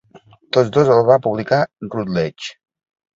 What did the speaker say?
Tots dos els va publicar Routledge.